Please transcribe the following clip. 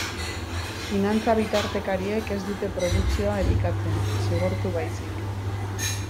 Finantza-bitartekariek ez dute produkzioa elikatzen, zigortu baizik.